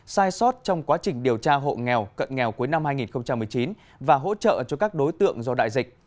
sai sót trong quá trình điều tra hộ nghèo cận nghèo cuối năm hai nghìn một mươi chín và hỗ trợ cho các đối tượng do đại dịch